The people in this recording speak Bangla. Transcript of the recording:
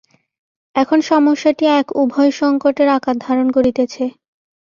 এখন সমস্যাটি এক উভয়-সঙ্কটের আকার ধারণ করিতেছে।